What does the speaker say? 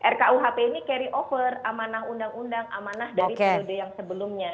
rkuhp ini carry over amanah undang undang amanah dari periode yang sebelumnya